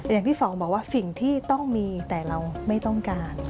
อย่างที่สองบอกว่าสิ่งที่ต้องมีแต่เราไม่ต้องการ